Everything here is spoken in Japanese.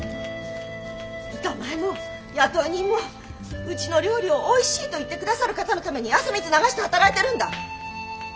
板前も雇い人もうちの料理をおいしいと言って下さる方のために汗水流して働いてるんだ！